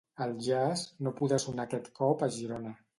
El jazz no podrà sonar aquest cop a Girona